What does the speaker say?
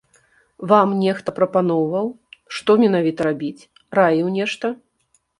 Вам нехта прапаноўваў, што менавіта рабіць, раіў нешта?